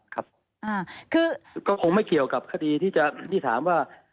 คือก็คงไม่เกี่ยวกับคตีที่ถามว่า